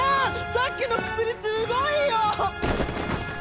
さっきの薬すごいよ！